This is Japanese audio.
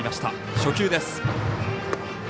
初球です。